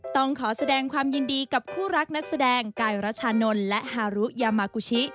ต้องขอแสดงความยินดีกับคู่รักนักแสดงกายรัชานนท์และฮารุยามากูชิ